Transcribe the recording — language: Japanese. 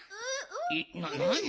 えっなに？